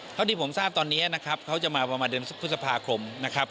เท่าที่ผมทราบตอนนี้นะครับเขาจะมาประมาณเดือนพฤษภาคมนะครับ